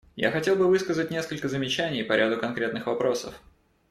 Я хотел бы высказать несколько замечаний по ряду конкретных вопросов.